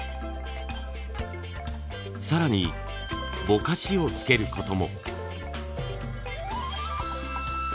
更にぼかしをつけることも。